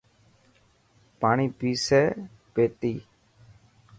پاڻي پيسي پيتي.